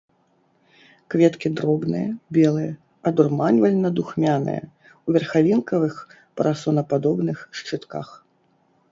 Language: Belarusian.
Кветкі дробныя, белыя, адурманьвальна-духмяныя, у верхавінкавых парасонападобных шчытках.